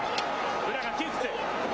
宇良が窮屈。